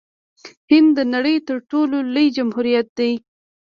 هند د نړۍ تر ټولو لوی جمهوریت دی.